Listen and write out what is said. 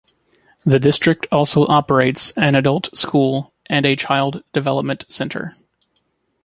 The district also operates an Adult School and a Child Development Center.